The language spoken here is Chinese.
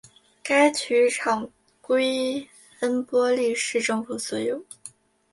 该体育场归恩波利市政府所有。